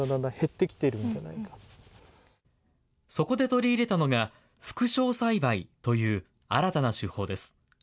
取り入れたのが、副梢栽培という新たな手法です。